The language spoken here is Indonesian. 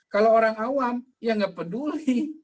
kalau orang awam ya nggak peduli